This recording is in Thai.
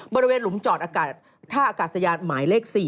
หลุมจอดอากาศท่าอากาศยานหมายเลข๔